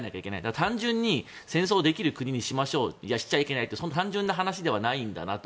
単純に戦争できる国にしましょうしちゃいけないという単純な話ではないと。